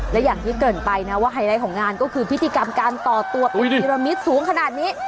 และอย่างที่เกิดไปนะว่าไฮไลท์ของงานก็คือพิธีกรรมการต่อตัวเป็นนิรมิตสูงขนาดนี้